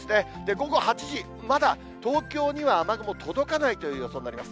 午後８時、まだ東京には雨雲、届かないという予想になります。